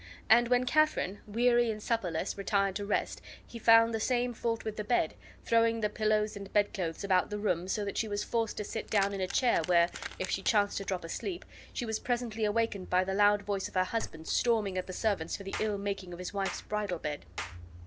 And when Katharine, weary and supperless, retired to rest, he found the same fault with the bed, throwing the pillows and bedclothes about the room, so that she was forced to sit down in a chair, where, if, she chanced to drop asleep, she was presently awakened by the loud voice of her husband storming at the servants for the ill making of his wife's bridal bed.